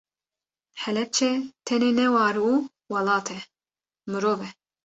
Helepçe tenê ne war û welat e, mirov e.